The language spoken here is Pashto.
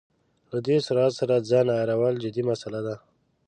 له دې سرعت سره ځان عیارول جدي مساله ده.